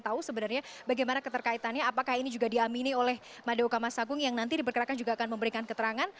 kita akan mencari tahu sebenarnya bagaimana keterkaitannya apakah ini juga diamini oleh made okama sagung yang nanti diperkerakan juga akan memberikan keterangan